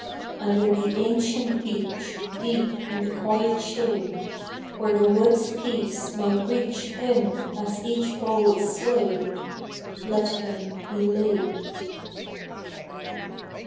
Under the ancient beech, Deep in the quiet shade, Where the wood's peace may reach Him, as each bough is swayed, Let him be laid.